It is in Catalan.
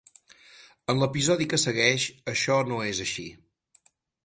En l'episodi que segueix, això no és així.